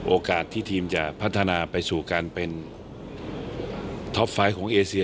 โอกาสที่ทีมจะพัฒนาไปสู่การเป็นท็อปไฟต์ของเอเซีย